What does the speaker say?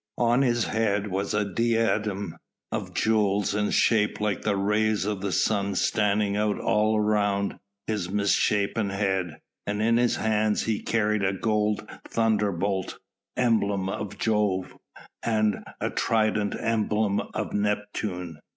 On his head was a diadem of jewels in shape like the rays of the sun standing out all round his misshapen head, and in his hands he carried a gold thunderbolt, emblem of Jove, and a trident emblem of Neptune.